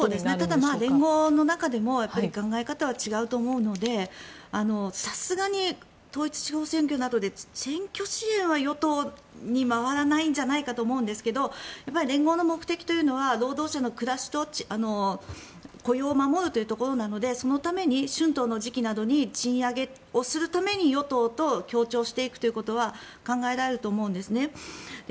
ただ、連合の中でも考え方は違うと思うのでさすがに統一地方選挙なんかで選挙支援は与党に回らないんじゃないかと思うんですけど連合の目的というのは労働者の暮らしと雇用を守るというところなのでそのために春闘の時期などに賃上げをするために与党と協調していくということは考えられると思うんですね。